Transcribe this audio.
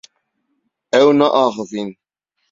Ew naavînin.